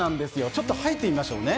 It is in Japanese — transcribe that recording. ちょっと入ってみましょうね。